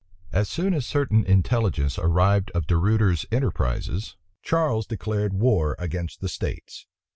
{1665.} As soon as certain intelligence arrived of De Ruyter's enterprises, Charles declared war against the states.